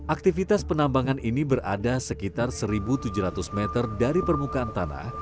aktivitas penambangan ini berada sekitar satu tujuh ratus meter dari permukaan tanah